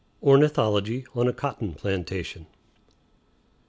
ORNITHOLOGY ON A COTTON PLANTATION.